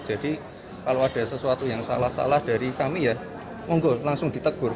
jadi kalau ada sesuatu yang salah salah dari kami ya monggo langsung ditegur